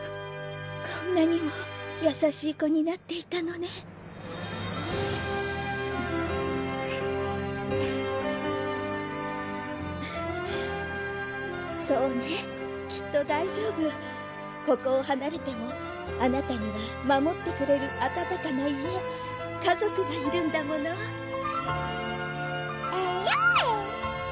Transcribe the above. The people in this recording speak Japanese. こんなにも優しい子になっていたのねそうねきっと大丈夫ここをはなれてもあなたには守ってくれる温かな家家族がいるんだものえるぅ！